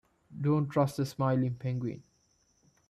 Don't trust the smiling penguin.